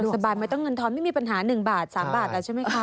สบายไม่ต้องเงินทอนไม่มีปัญหา๑บาท๓บาทแล้วใช่ไหมคะ